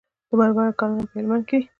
د مرمرو کانونه په هلمند کې دي